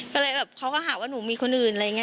ก็เลยแบบเขาก็หาว่าหนูมีคนอื่นอะไรอย่างนี้